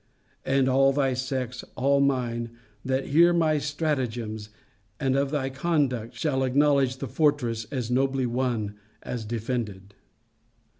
And all thy sex, and all mine, that hear of my stratagems, and of thy conduct, shall acknowledge the fortress as nobly won as defended.